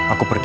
aku pergi pak